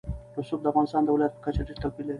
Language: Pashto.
رسوب د افغانستان د ولایاتو په کچه ډېر توپیر لري.